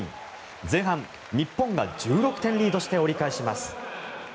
前半、日本が１６点リードして折り返します。